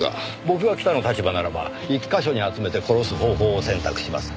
僕が北の立場ならば１カ所に集めて殺す方法を選択します。